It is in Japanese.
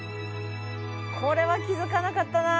これは気づかなかったなあ。